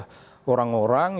dibayangkan oleh orang orang